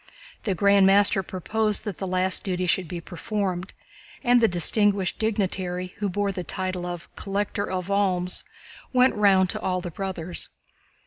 The Grand Master proposed that the last duty should be performed, and the distinguished dignitary who bore the title of "Collector of Alms" went round to all the brothers.